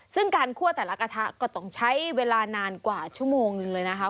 ซึ่งการคั่วแต่ละกระทะก็ต้องใช้เวลานานกว่าชั่วโมงหนึ่งเลยนะคะ